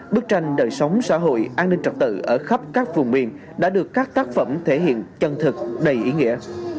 bức tranh đời sống xã hội an ninh trật tự ở khắp các vùng miền đã được các tác phẩm thể hiện chân thực đầy ý nghĩa